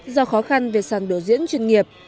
do khó khăn về sàng đồ diễn chuyên nghiệp